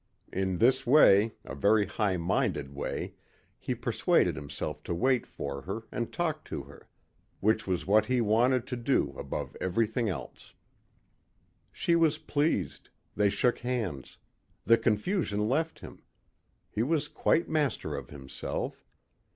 In this way, a very high minded way, he persuaded himself to wait for her and to talk to her. Which was what he wanted to do above everything else. She was pleased. They shook hands. The confusion left him. He was quite master of himself.